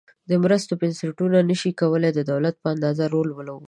د مرستو بنسټونه نشي کولای د دولت په اندازه رول ولوبوي.